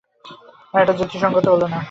না, এটা যুক্তিসংগত হলো না।